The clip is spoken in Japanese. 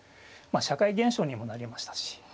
社会現象にもなりましたし